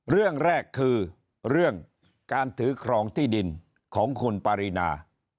เรื่องแรกคือเรื่องการถือครองที่ดินของคุณปารีนา